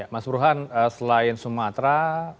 mas burhan selain sumatera